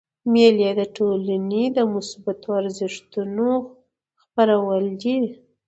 مېلې د ټولني د مثبتو ارزښتو خپرول دي.